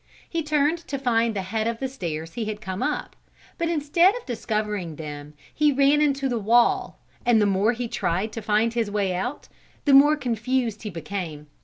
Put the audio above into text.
He turned to find the head of the stairs he had come up, but instead of discovering them he ran into the wall and the more he tried to find his way out, the more confused he became.